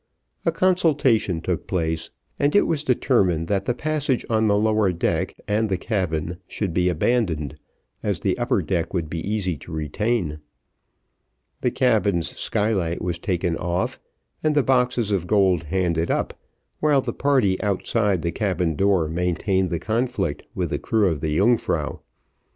A consultation took place, and it was determined that the passage on the lower deck and the cabin should be abandoned, as the upper deck it would be easy to retain. The cabin's skylight was taken off, and the boxes of gold handed up, while the party outside the cabin door maintained the conflict with the crew of the Yungfrau.